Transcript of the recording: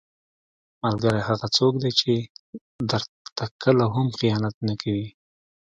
ملګری هغه څوک دی چې درته کله هم خیانت نه کوي.